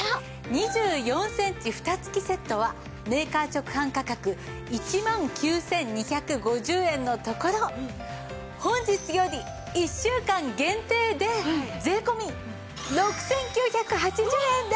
２４センチフタ付きセットはメーカー直販価格１万９２５０円のところ本日より１週間限定で税込６９８０円です！